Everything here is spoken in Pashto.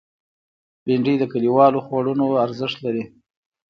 بېنډۍ د کلیوالو خوړونو ارزښت لري